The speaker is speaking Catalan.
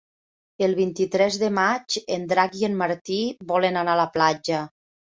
El vint-i-tres de maig en Drac i en Martí volen anar a la platja.